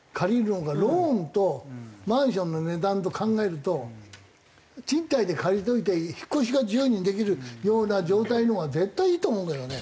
ローンとマンションの値段と考えると賃貸で借りといて引っ越しが自由にできるような状態のほうが絶対いいと思うけどね。